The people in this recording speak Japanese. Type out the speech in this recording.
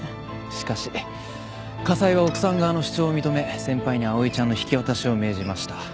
しかし家裁は奥さん側の主張を認め先輩に碧唯ちゃんの引き渡しを命じました。